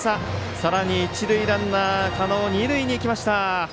さらに一塁ランナー、狩野二塁に行きました。